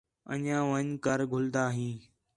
انڄیاں ون٘ڄ کر گھلدا ہیں